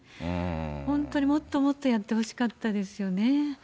本当にもっともっとやってほしかったですよね。